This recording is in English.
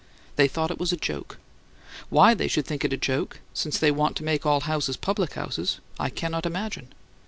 They thought it was a joke. Why they should think it a joke, since they want to make all houses public houses, I cannot imagine.